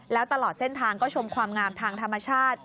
แล้วตลอดเส้นทางก็ชมความงามทางธรรมชาติ